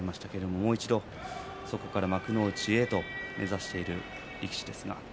もう一度そこから幕内を目指している力士です。